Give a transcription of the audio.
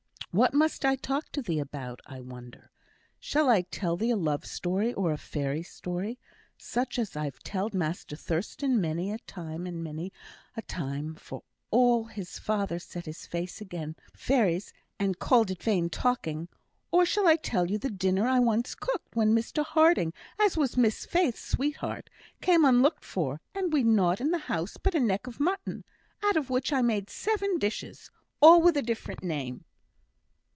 What must I talk to thee about, I wonder. Shall I tell thee a love story or a fairy story, such as I've telled Master Thurstan many a time and many a time, for all his father set his face again fairies, and called it vain talking; or shall I tell you the dinner I once cooked, when Mr Harding, as was Miss Faith's sweetheart, came unlooked for, and we'd nought in the house but a neck of mutton, out of which I made seven dishes, all with a different name?"